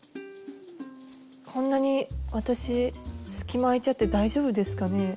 こんなに私隙間空いちゃって大丈夫ですかね？